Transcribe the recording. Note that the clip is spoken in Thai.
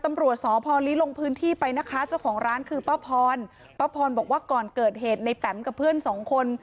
ตำรวจสพลิลงพื้นที่ไปนะคะเจ้าของร้านคือป้าพรป้าพรบอกว่าก่อนเกิดเหตุในแปมกับเพื่อนสองคน